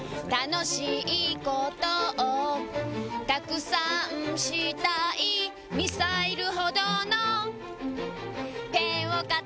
「楽しいことをたくさんしたい」「ミサイルほどのペンを片手に」